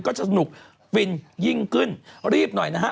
สนุกฟินยิ่งขึ้นรีบหน่อยนะฮะ